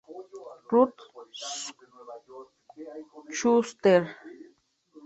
Ruth Schuster.